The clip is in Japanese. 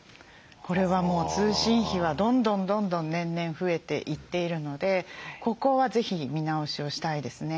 これはもう通信費はどんどんどんどん年々増えていっているのでここは是非見直しをしたいですね。